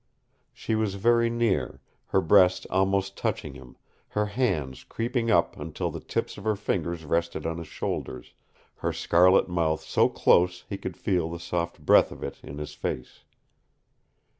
She was very near, her breast almost touching him, her hands creeping up until the tips of her fingers rested on his shoulders, her scarlet mouth so close he could feel the soft breath of it in his face.